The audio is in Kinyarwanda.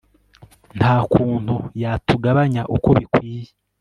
nta kuntu yatugabanya uko bikwiye